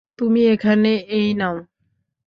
তুমি এখানে এই নাও।